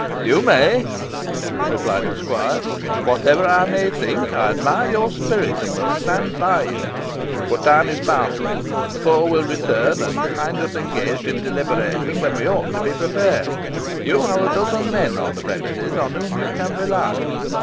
"You may," replied the squire. "Whatever I may think, I admire your spirit, and will stand by you. But time is passing, and the foe will return and find us engaged in deliberation when we ought to be prepared. You have a dozen men on the premises on whom you can rely.